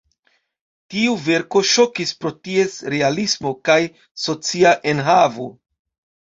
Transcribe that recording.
Tiu verko ŝokis pro ties realismo kaj socia enhavo.